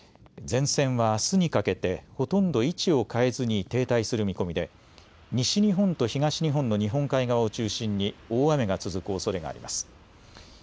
前線はあすにかけてほとんど位置を変えずに停滞する見込みで西日本と東日本の日本海側を中心に大雨が続くおそれがあります。